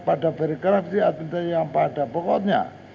ada verifikasi antrasi yang pada pokoknya